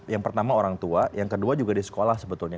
yang pertama orang tua yang kedua juga di sekolah sebetulnya